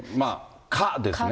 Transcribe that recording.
か、ですね。